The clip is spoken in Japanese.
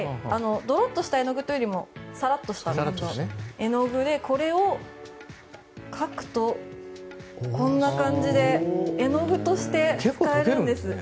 ドロッとした絵の具よりさらっとした絵の具でこれを描くとこんな感じで絵の具として使えるんです。